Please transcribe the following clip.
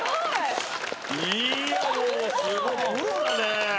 いやもうすごいプロだね！